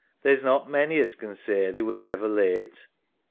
There's not many as can say they were never late.